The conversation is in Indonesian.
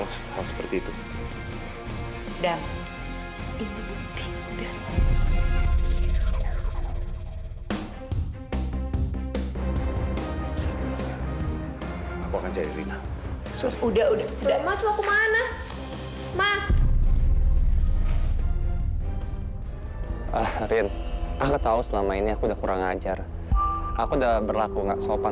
sampai jumpa di video selanjutnya